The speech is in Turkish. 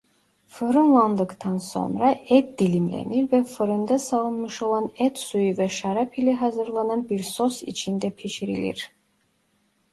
Fırınlandıktan sonra et dilimlenir ve fırında salınmış olan et suyu ve şarap ile hazırlanan bir sos içinde pişirilir.